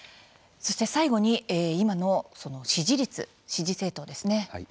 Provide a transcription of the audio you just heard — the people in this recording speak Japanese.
そして最後に今の支持率支持政党ですね。